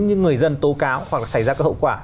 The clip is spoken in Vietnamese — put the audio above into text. những người dân tố cáo hoặc là xảy ra các hậu quả